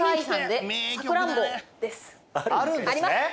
あるんですね！